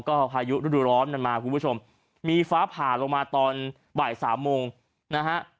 ก็อายุร้อนมาคุณผู้ชมมีฝาผ่าลงมาตอนบ่าย๓โมงนะฮะ